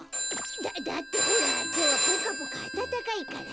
だだってほらきょうはぽかぽかあたたかいから。